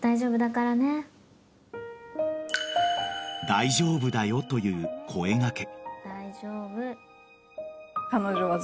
［「大丈夫だよ」という声掛け］